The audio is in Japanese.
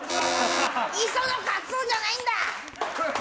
磯野カツオじゃないんだ。